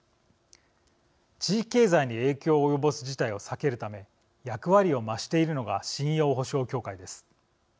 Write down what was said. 地域経済に影響を及ぼす事態を避けるため役割を増しているのが信用保証協会です。